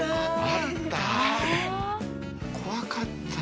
あった。